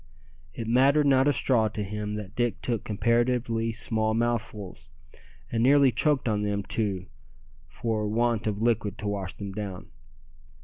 It mattered not a straw to him that Dick took comparatively small mouthfuls, and nearly choked on them too for want of liquid to wash them down.